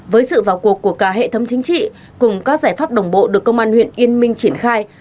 với sự vào cuộc của cả hệ thống chính trị cùng các giải pháp đồng bộ được công an huyện yên minh triển khai